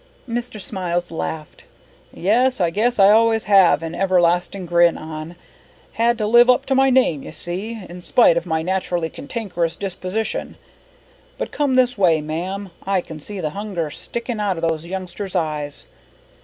Mr. Smiles laughed. "Yes, I guess I always have an everlasting grin on. Had to live up to my name, you see, in spite of my naturally cantankerous disposition; But come this way, ma'am, I can see the hunger sticking out of those youngsters' eyes.